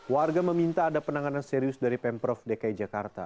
warga meminta ada penanganan serius dari pemprov dki jakarta